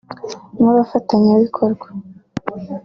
nk’abafatanyabikorwa